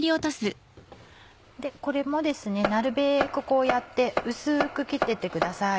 これもなるべくこうやって薄く切ってってください。